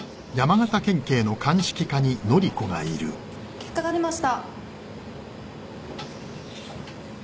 結果が出ました！